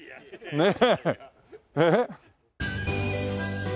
ねえ。